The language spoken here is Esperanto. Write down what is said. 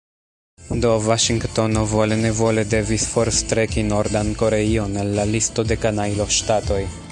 Do Vaŝingtono vole-nevole devis forstreki Nordan Koreion el la listo de kanajloŝtatoj.